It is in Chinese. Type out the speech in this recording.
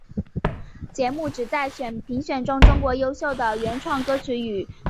节目旨在评选出中国优秀的原创歌曲与唱作人。